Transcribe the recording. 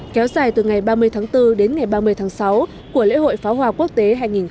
kéo dài từ ngày ba mươi tháng bốn đến ngày ba mươi tháng sáu của lễ hội phá hoa quốc tế hai nghìn một mươi tám